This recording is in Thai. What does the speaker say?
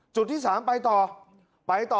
จุดที่สามไปต่อ